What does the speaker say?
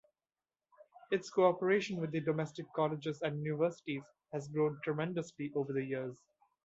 Its cooperation with the domestic colleges and universities has grown tremendously over the years.